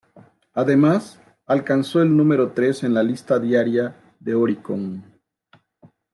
Además, alcanzó el número tres en la lista diaria de Oricon.